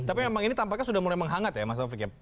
tapi memang ini tampaknya sudah mulai menghangat ya mas taufik ya